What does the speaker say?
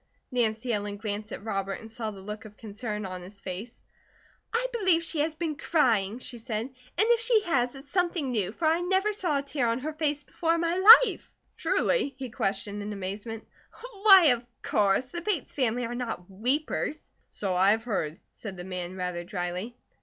Nancy Ellen glanced at Robert, and saw the look of concern on his face. "I believe she has been crying," she said. "And if she has, it's something new, for I never saw a tear on her face before in my life." "Truly?" he questioned in amazement. "Why, of course! The Bates family are not weepers." "So I have heard," said the man, rather dryly.